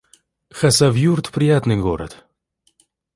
Хасавюрт — приятный город